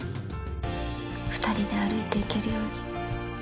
２人で歩いていけるように。